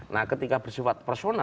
nah ketika bersifat substantif